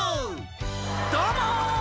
どうも！